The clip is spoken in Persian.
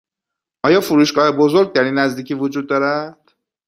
آیا فروشگاه بزرگ در این نزدیکی وجود دارد؟